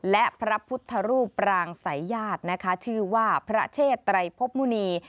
และพระพุทธรูปปรางสายญาตินะคะชื่อว่าพระเชษไตรพบมุณี